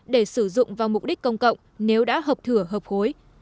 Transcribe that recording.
để sử dụng vào mục đích công cộng nếu đã hợp thửa hợp hối